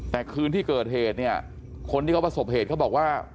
แต่คืนที่เกิดเหตุเนี่ยคนที่เขาประสบเหตุเขาบอกว่า